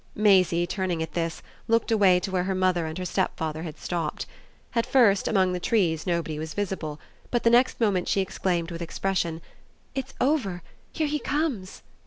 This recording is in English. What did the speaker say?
Maisie, turning at this, looked away to where her mother and her stepfather had stopped. At first, among the trees, nobody was visible; but the next moment she exclaimed with expression: "It's over here he comes!"